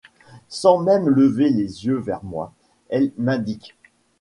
Sans même lever les yeux vers moi, elle m’indique.